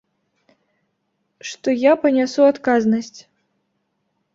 Што я панясу адказнасць.